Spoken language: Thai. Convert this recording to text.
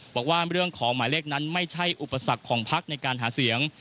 บอกว่าเรื่องของหมายเลขนั้นไม่ใช่อุปสรรคของพักในการหาเสียง